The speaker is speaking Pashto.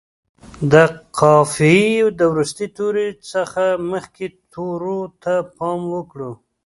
د قافیې د وروستي توري څخه مخکې تورو ته پام وکړو.